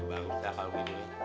ya bagus dah kalau gini